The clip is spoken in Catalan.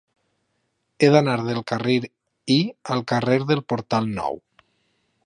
He d'anar del carrer Y al carrer del Portal Nou.